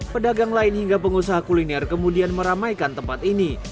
pedagang lain hingga pengusaha kuliner kemudian meramaikan tempat ini